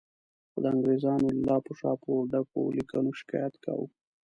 خو د انګریزانو له لاپو شاپو ډکو لیکونو شکایت کاوه.